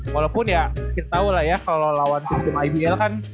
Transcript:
walaupun ya kita tau lah ya kalo lawan tim tim ibl kan